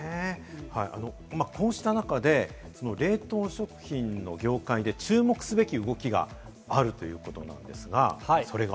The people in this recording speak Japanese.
こうした中で冷凍食品の業界で注目すべき動きがあるということなんですが、それが。